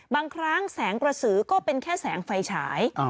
บางครั้งแสงกระสือก็เป็นแค่แสงไฟฉาย